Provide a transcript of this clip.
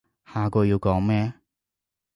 下句要講咩？